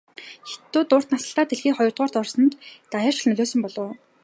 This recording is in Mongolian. Хятадууд урт наслалтаар дэлхийд хоёрдугаарт орсонд даяаршил нөлөөлсөн болов уу?